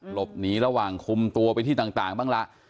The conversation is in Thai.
หลบหนีระหว่างคุมตัวไปที่ต่างบ้างล่ะ